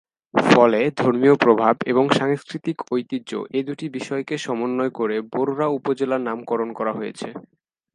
ফলে ধর্মীয় প্রভাব এবং সংস্কৃতিক ঐতিহ্য এ দুটি বিষয়কে সমন্বয় করে বরুড়া উপজেলার নামকরণ করা হয়েছে।